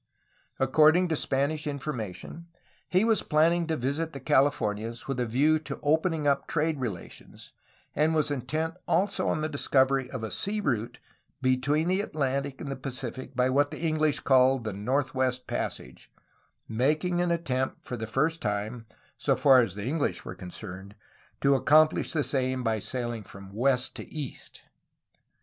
According to Spanish information he was planning to visit the Californias with a view to opening up trade relations, and was intent also on the dis covery of a sea route between the Atlantic and the Pacific by what the Enghsh called the '^Northwest Passage,'' making an attempt for the first time, so far as the English were concerned, to accomplish this aim by sailing from west to east.